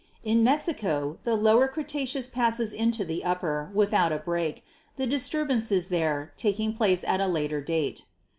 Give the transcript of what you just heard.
In Mexico the Lower Cretaceous passes into the Upper without a break, the disturbances there taking place at a later date.